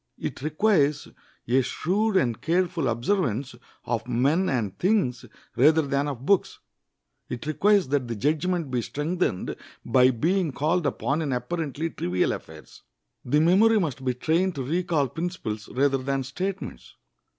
It requires a shrewd and careful observance of men and things rather than of books. It requires that the judgment be strengthened by being called upon in apparently trivial affairs. The memory must be trained to recall principles rather than statements.